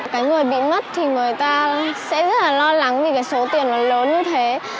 cái người bị mất thì người ta sẽ rất là lo lắng vì cái số tiền nó lớn như thế